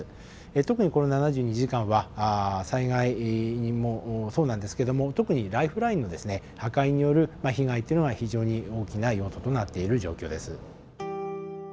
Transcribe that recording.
特にこの７２時間は災害もそうなんですけども特にライフラインの破壊による被害っていうのが非常に大きな要素となっている状況です。